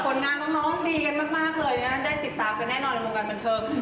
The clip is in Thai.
ผลงานน้องดีกันมากเลยนะได้ติดตามกันแน่นอนในวงการบันเทิง